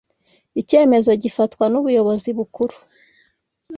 icyemezo gifatwa n‘ubuyobozi bukuru